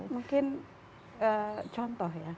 mungkin contoh ya